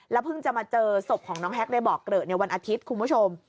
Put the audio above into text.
แล้วเพิ่งจะมาเจอสบของน้องแฮ็กในบอกเกรอะวันอาทิตย์คุณผู้ชม